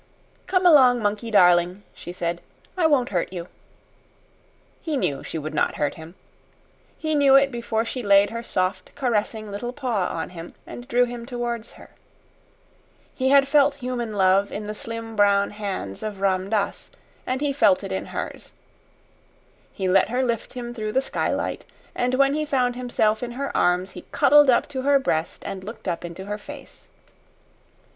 "Come along, monkey darling," she said. "I won't hurt you." He knew she would not hurt him. He knew it before she laid her soft, caressing little paw on him and drew him towards her. He had felt human love in the slim brown hands of Ram Dass, and he felt it in hers. He let her lift him through the skylight, and when he found himself in her arms he cuddled up to her breast and looked up into her face.